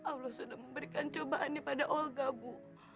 allah sudah memberikan cobaan ini pada olga bu